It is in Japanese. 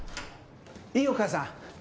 いいよ母さん。